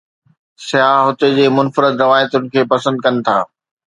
سياح هتي جي منفرد روايتن کي پسند ڪن ٿا.